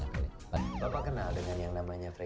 bapak kenal dengan yang namanya frank tau